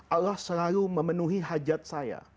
allah selalu memenuhi hajat saya